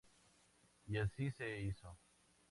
Y así se hizo.